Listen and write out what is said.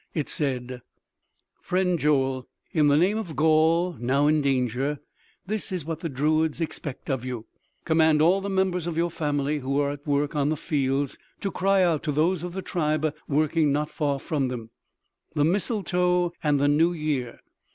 It said: "Friend Joel, in the name of Gaul now in danger, this is what the druids expect of you: Command all the members of your family who are at work on the fields to cry out to those of the tribe working not far from them: The mistletoe and the new year!